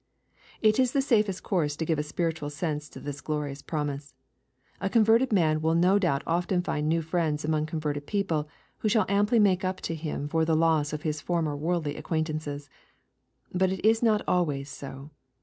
] It is the safest course to give a spiritual sense to this glorious promise. A converted man will no doubt often find new friends among converted people, who shall amply make up to him for the loss of hia former worldly acquaintances. — But it is not always so.